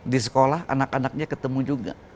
di sekolah anak anaknya ketemu juga